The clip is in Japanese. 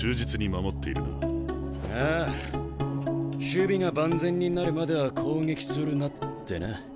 守備が万全になるまでは攻撃するなってな。